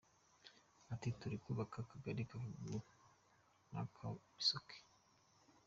Ati : «Turi kubaka akagali ka Kagugu n’aka Bisoke.